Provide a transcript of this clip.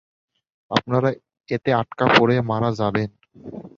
আপনারা এতে আটকা পড়ে মারা যাবেন!